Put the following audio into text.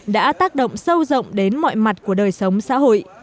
đã tác động sâu rộng đến mọi mặt của đời sống xã hội